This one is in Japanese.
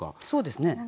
そうですね。